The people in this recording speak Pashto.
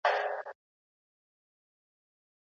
سوداګرو په نړیوالو نندارتونونو کي ګډون کاوه.